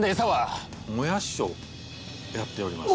もやしをやっております。